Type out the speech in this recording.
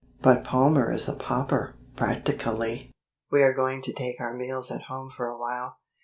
"But Palmer is a pauper, practically. We are going to take our meals at home for a while.